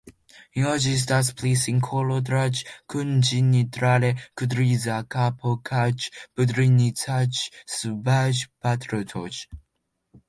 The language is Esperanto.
Inoj estas pli senkoloraj kun ĝenerale griza kapo kaj brunecaj subaj partoj.